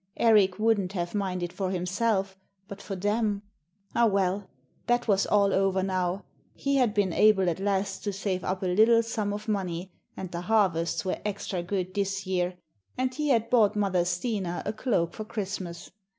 Erik wouldn't have minded for himself, but for them ...! Ah well, that was all over now; he had been able at last to save up a little sum of money, and the harvests were extra good this year, and he had bought Mother Stina a cloak for Christmas!